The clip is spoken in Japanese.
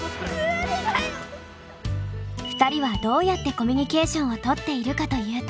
２人はどうやってコミュニケーションをとっているかというと。